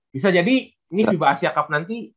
bisa jadi ini fiba asia cup nanti